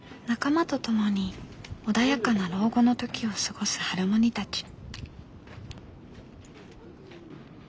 仲間と共に穏やかな老後の時を過ごすハルモニたち。